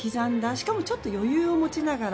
しかもちょっと余裕を持ちながら。